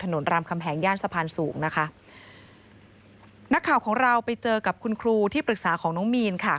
รามคำแหงย่านสะพานสูงนะคะนักข่าวของเราไปเจอกับคุณครูที่ปรึกษาของน้องมีนค่ะ